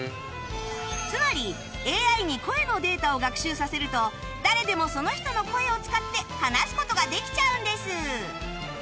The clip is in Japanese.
つまり ＡＩ に声のデータを学習させると誰でもその人の声を使って話す事ができちゃうんです